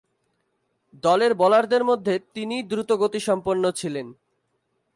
দলের বোলারদের মধ্যে তিনিই দ্রুতগতিসম্পন্ন ছিলেন।